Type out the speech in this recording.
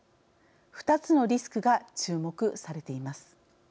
２つのリスクが注目されています。